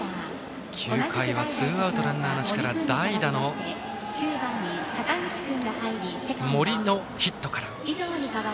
９回はツーアウトランナーなしから代打の森のヒットから。